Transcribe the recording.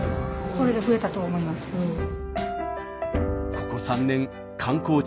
ここ３年観光地